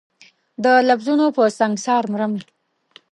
د لفظونو په سنګسار مرم